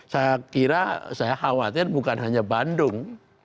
saya kira saya khawatir bukan hanya bandung